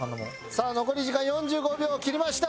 さあ残り時間４５秒を切りました。